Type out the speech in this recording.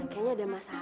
kayaknya ada masalah deh